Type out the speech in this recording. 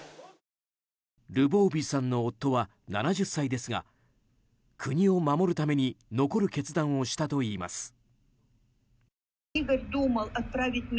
ルボーヴィさんの夫は７０歳ですが国を守るために残る決断をしたといいます。